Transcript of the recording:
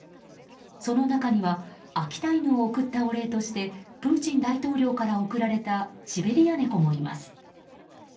その中には秋田犬を贈ったお礼としてプーチン大統領から送られたシベリアネコもいます。